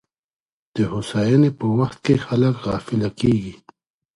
د هوساینې په وخت کي خلګ غافله کیږي.